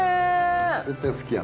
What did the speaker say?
絶対好きやんな。